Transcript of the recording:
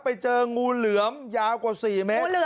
ไปเจองูเหลือมยาวกว่า๔เมตร